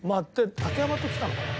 竹山と来たのかな？